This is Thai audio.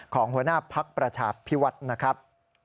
ของหัวหน้าภักรประชาภิวัตน์นะครับ